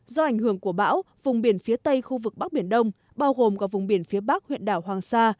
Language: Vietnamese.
do ảnh hưởng của bão vùng biển phía tây khu vực bắc biển đông bao gồm cả vùng biển phía bắc huyện đảo hoàng sa